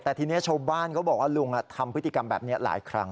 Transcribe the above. แต่ทีนี้ชาวบ้านเขาบอกว่าลุงทำพฤติกรรมแบบนี้หลายครั้ง